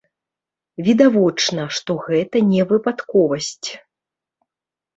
Відавочна, што гэта не выпадковасць.